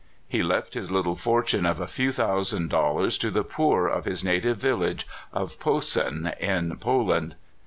He left his little fortune of a few thou sand dollars to the poor of his native village of Posen, in Poland.